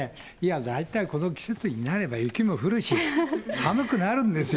大体この季節になれば雪も降るし、寒くなるんですよ。